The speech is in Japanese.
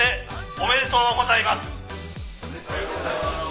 「おめでとうございます」